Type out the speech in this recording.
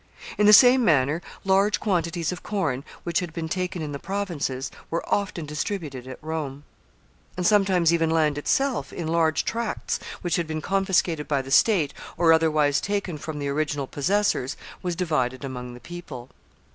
In the same manner, large quantities of corn, which had been taken in the provinces, were often distributed at Rome. And sometimes even land itself, in large tracts, which had been confiscated by the state, or otherwise taken from the original possessors, was divided among the people.